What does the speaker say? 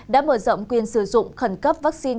đã mở rộng quyền sử dụng khẩn cấp vaccine